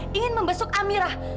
dia ingin membesuk amirah